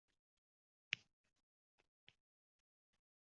El-yurt suv sepmishday jimjit bo‘ldi.